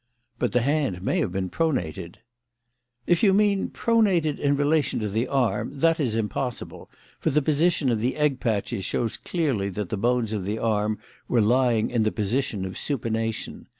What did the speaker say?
"But the hand may have been pronated." "If you mean pronated in relation to the arm, that is impossible, for the position of the egg patches shows clearly that the bones of the arm were lying in the position of supination.